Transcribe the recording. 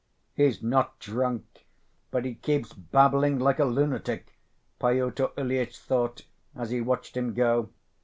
"He's not drunk, but he keeps babbling like a lunatic," Pyotr Ilyitch thought as he watched him go.